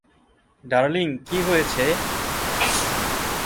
Darling, কি হয়েছে?